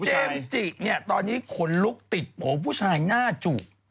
คุณเจมส์จิเนี่ยตอนนี้ขนลุกติดหัวผู้ชายหน้าจูบ